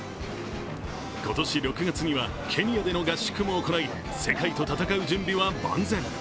今年６月には、ケニアでの合宿も行い世界と戦う準備は万全。